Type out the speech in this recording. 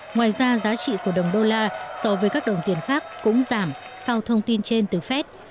ngoài ra giá trị của đồng đô la so với các đồng tiền khác cũng giảm sau thông tin trên từ fed